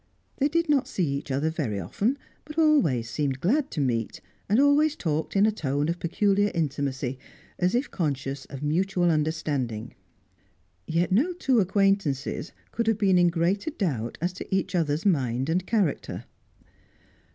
They did not see each other very often, but always seemed glad to meet, and always talked in a tone of peculiar intimacy, as if conscious of mutual understanding. Yet no two acquaintances could have been in greater doubt as to each other's mind and character.